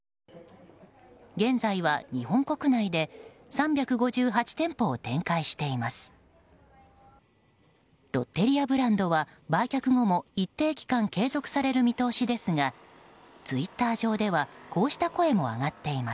現在は日本国内で３５８店舗を展開しています。